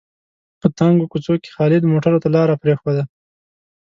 په تنګو کوڅو کې خالد موټرو ته لاره پرېښوده.